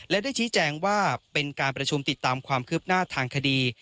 และได้ชี้แจงว่าเป็นการประชุมติดตามความคืบหน้าทางคดี